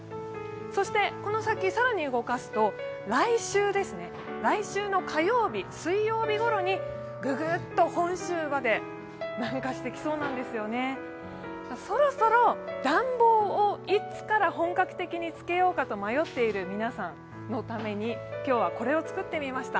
そしてこの先、更に動かすと、来週の火曜日、水曜日ごろにググッと本州まで南下してきそうなんですよね。そろそろ暖房をいつから本格的につけようかと迷っている皆さんのために今日はこれを作ってみました。